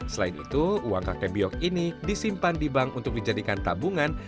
selain itu uang kakek biok ini disimpan di bank untuk dijadikan tabungan